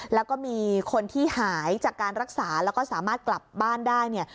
แล้วก็มีคนที่หายจากการรักษาแล้วก็สามารถกลับบ้านได้เนี่ย